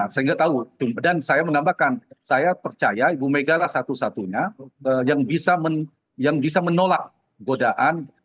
sehingga tahu dan saya menambahkan saya percaya ibu mega lah satu satunya yang bisa menolak godaan